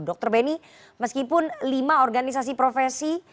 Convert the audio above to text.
dr beni meskipun lima organisasi profesi